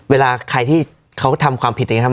เวลาใครที่เขาทำความผิดอย่างนี้ครับ